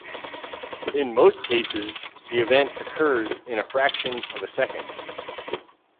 In most cases, the event occurs in a fraction of a second.